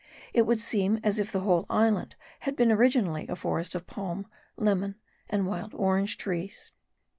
It would seem as if the whole island had been originally a forest of palm, lemon, and wild orange trees.